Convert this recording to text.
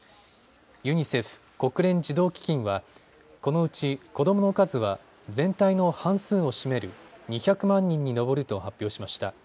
ユニセフ・国連児童基金はこのうち子どもの数は全体の半数を占める２００万人に上ると発表しました。